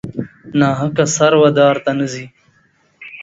ناحقه سر و دار ته نه ځي.